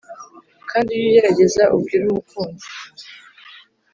kandi ujye ugerageza ubwire umukunzi